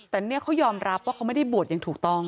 แต่เนี่ยเขายอมรับว่าเขาไม่ได้บวชอย่างถูกต้อง